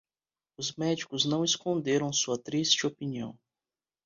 Os médicos não esconderam sua triste opinião.